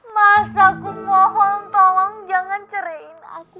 mas aku mohon tolong jangan cerahin aku